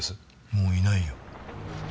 もういないよ。